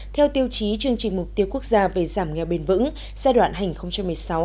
theo tiêu chí chương trình mục tiêu quốc gia về giảm nghèo bền vững giai đoạn hai nghìn một mươi sáu hai nghìn hai mươi